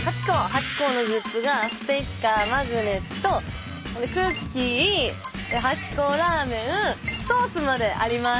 ハチ公のグッズがステッカーマグネットクッキーハチ公ラーメンソースまであります。